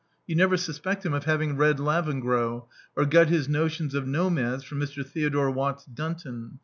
You never suspect him of having read Lavengro, or got his notions of nomads from Mr. Theodore Watts Dunton.